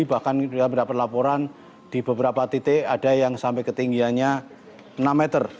bahkan kita mendapat laporan di beberapa titik ada yang sampai ketinggiannya enam meter